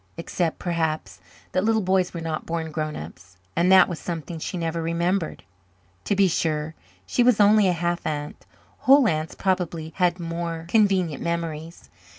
Except, perhaps, that little boys were not born grown ups and that was something she never remembered. To be sure, she was only a half aunt. Whole aunts probably had more convenient memories.